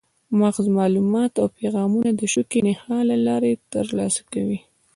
مغز معلومات او پیغامونه د شوکي نخاع له لارې ترلاسه کوي.